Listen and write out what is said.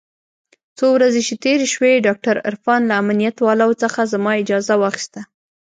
څو ورځې چې تېرې سوې ډاکتر عرفان له امنيت والاو څخه زما اجازه واخيسته.